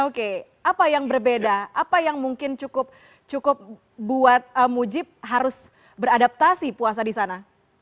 oke apa yang berbeda apa yang mungkin cukup buat mujib harus beradaptasi puasa di sana